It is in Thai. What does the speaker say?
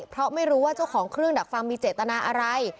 เพราะไม่รู้ว่าเจ้าของเครื่องดักฟังมีเจตนาอะไร